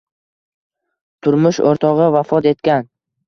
Turmush o‘rtog‘i vafot etgan.